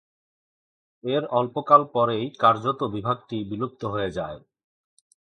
এর অল্পকাল পরেই কার্যত বিভাগটি বিলুপ্ত হয়ে যায়।